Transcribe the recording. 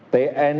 tidak ada pilihan